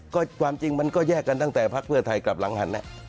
ก็ความจริงมันก็แยกกันตั้งแต่พักเพื่อไทยกลับหลังหัน